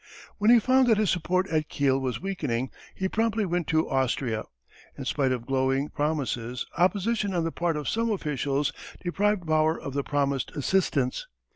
When he found that his support at Kiel was weakening, he promptly went to Austria. In spite of glowing promises, opposition on the part of some officials deprived Bauer of the promised assistance.